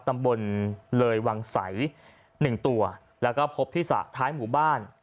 ตำบลเลยวังใส๑ตัวแล้วก็พบที่สระท้ายหมู่บ้าน